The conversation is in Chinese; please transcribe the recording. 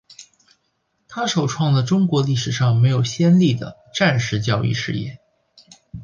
它首创了中国历史上没有先例的战时教育事业。